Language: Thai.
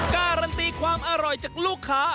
การันตีความอร่อยจากลูกค้า